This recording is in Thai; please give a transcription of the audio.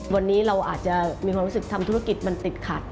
วันนี้เราอาจจะมีความรู้สึกทำธุรกิจมันติดขัด